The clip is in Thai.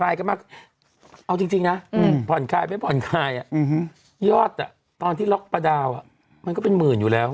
ยอดตอนที่ล็อกประดาวมันก็เป็นหมื่นอยู่แล้ว